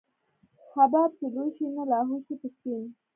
حباب چې لوى شي نو لاهو شي په سيند.